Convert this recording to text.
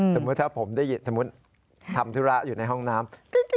สมมุติถ้าผมได้ยินสมมุติทำธุระอยู่ในห้องน้ำ